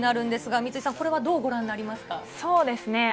三井さん、これはどうご覧になりますか？